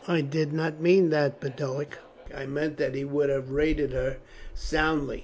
"I did not mean that, Boduoc. I meant that he would have rated her soundly."